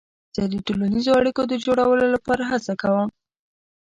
زه د ټولنیزو اړیکو د جوړولو لپاره هڅه کوم.